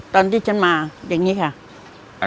ตอนที่ฉันมาอย่างนี้ค่ะ